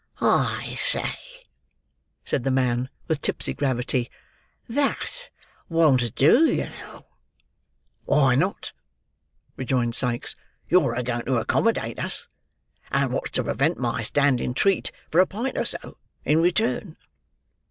"I say!" said the man, with tipsy gravity; "that won't do, you know." "Why not?" rejoined Sikes. "You're a going to accommodate us, and wot's to prevent my standing treat for a pint or so, in return?"